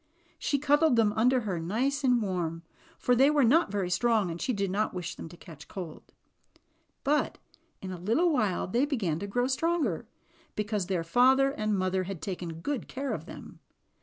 She cud dled them under her, nice and warm, for they were not very strong and she did not wish them to catch cold. But in a little while they began to grow stronger, because their father and mother had taken good care of them.